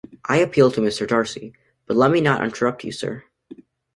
I appeal to Mr. Darcy: — but let me not interrupt you, Sir.